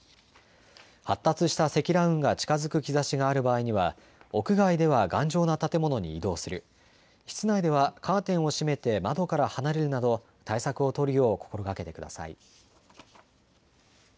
発達した積乱雲が近づく兆しがある場合には屋外では頑丈な建物に移動する、室内ではカーテンを閉めて窓から離れるなど対策を取るよう心がけてください。